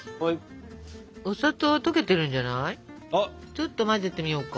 ちょっと混ぜてみようか。